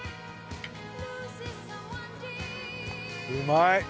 うまい。